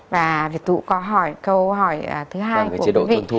và việt tụ có hỏi câu hỏi thứ hai của quý vị